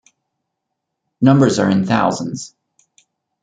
Numbers are in thousands.